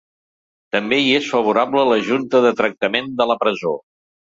També hi és favorable la junta de tractament de la presó.